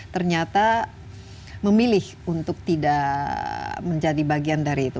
ternyata memilih untuk tidak menjadi bagian dari itu